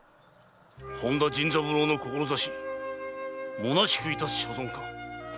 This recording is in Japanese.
本田甚三郎の志むなしく致す所存か！